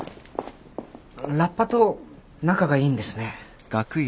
ラッパと仲がいいんですね。